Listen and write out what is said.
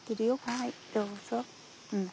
はいどうぞ。